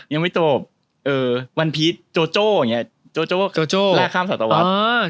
ยังไม่จบวันพีศโจโจอย่างเงี้ยโจโจละข้ามศาสตรวรรษ